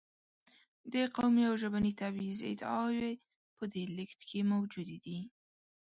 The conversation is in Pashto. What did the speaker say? د قومي او ژبني تبعیض ادعاوې په دې لېږد کې موجودې دي.